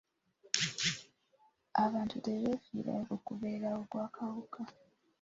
Abantu tebeefiirayo ku kubeerawo kw'akawuka.